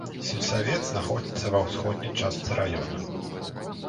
Сельсавет знаходзіцца ва ўсходняй частцы раёна.